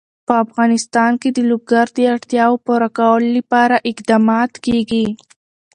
په افغانستان کې د لوگر د اړتیاوو پوره کولو لپاره اقدامات کېږي.